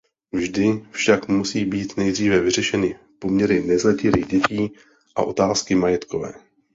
Vždy však musí být nejdříve vyřešeny poměry nezletilých dětí a otázky majetkové.